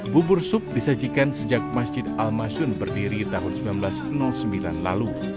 bubur sup disajikan sejak masjid al masyun berdiri tahun seribu sembilan ratus sembilan lalu